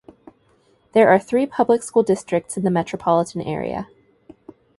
There are three public school districts in the metropolitan area.